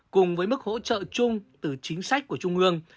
cùng với mức hỗ trợ chung từ chính sách của trung ương